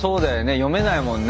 読めないもんね。